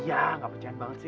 iya iya gak percaya banget sih